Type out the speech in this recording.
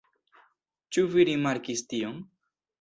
Ĉu vi rimarkis tion?